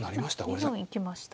２四行きました。